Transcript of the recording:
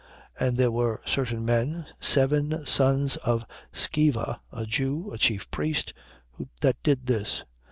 19:14. And there were certain men, seven sons of Sceva, a Jew, a chief priest, that did this.